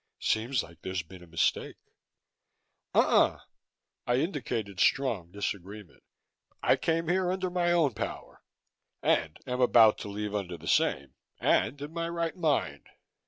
"Seems like there's been a mistake." "Uh uh!" I indicated strong disagreement. "I came here under my own power and am about to leave under the same and in my right mind."